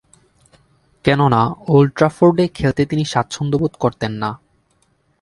কেননা, ওল্ড ট্রাফোর্ডে খেলতে তিনি স্বাচ্ছন্দ্যবোধ করতেন না।